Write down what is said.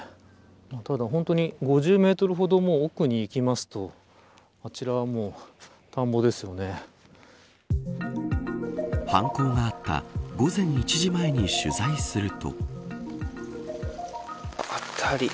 ただ、本当に５０メートルほど奥に行きますと犯行があった午前１時前に取材すると。